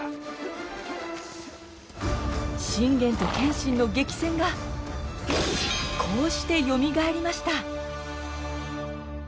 信玄と謙信の激戦がこうしてよみがえりました。